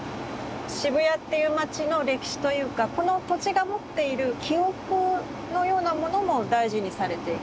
渋谷っていう街の歴史というかこの土地が持っている記憶のようなものも大事にされていく？